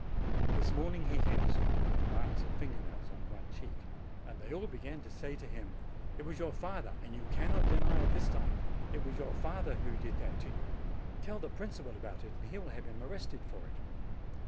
This morning he came to school with the marks of finger nails on one cheek, and they all began to say to him. A FINE VISIT 91 "It was your father, and you cannot deny it this time; it was your father who did that to you. Tell the principal about it, and he will have him arrested for it."